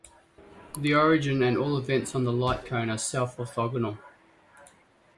The origin and all events on the light cone are self-orthogonal.